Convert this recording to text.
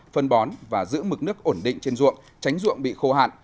phân bón và giữ mực nước ổn định trên ruộng tránh ruộng bị khô hạn